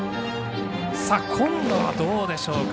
今度はどうでしょうか。